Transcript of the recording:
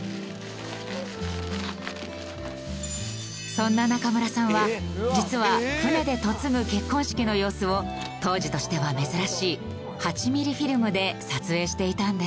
そんな中村さんは実は船で嫁ぐ結婚式の様子を当時としては珍しい８ミリフィルムで撮影していたんです。